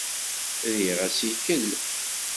Riɣ assikel.